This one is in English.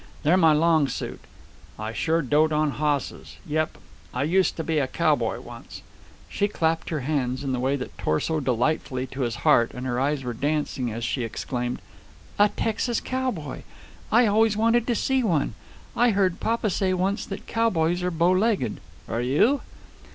They're my long suit. I sure dote on hosses. Yep. I used to be a cowboy once." She clapped her hands in the way that tore so delightfully to his heart, and her eyes were dancing, as she exclaimed: "A Texas cowboy! I always wanted to see one! I heard papa say once that cowboys are bow legged. Are you?"